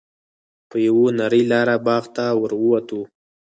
په یوه نرۍ لاره باغ ته ور ووتو.